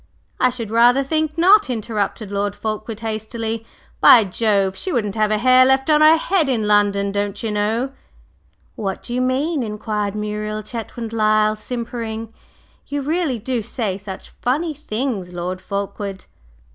"I should rather think not!" interrupted Lord Fulkeward, hastily. "By Jove! She wouldn't have a hair left on her head in London, don'cher know!" "What do you mean?" inquired Muriel Chetwynd Lyle, simpering. "You really do say such funny things, Lord Fulkeward!"